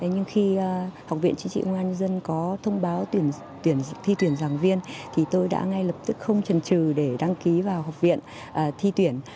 nhưng khi học viện chính trị công an nhân dân có thông báo tuyển thi tuyển giảng viên thì tôi đã ngay lập tức không trần trừ để đăng ký vào học viện thi tuyển